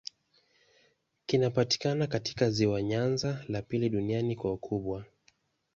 Kinapatikana katika ziwa Nyanza, la pili duniani kwa ukubwa.